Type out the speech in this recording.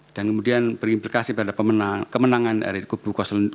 dan kemudian berimplikasi pada kemenangan dari kupu dua